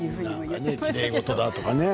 きれい事だとかね。